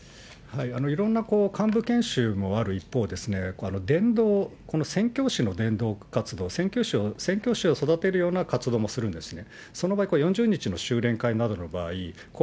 いろんな幹部研修もある一方、伝道、この宣教師の伝道活動、宣教師を育てるような活動もするんですね。